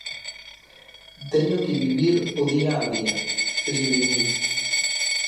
Teño que vivir o día a día, esgrimiu.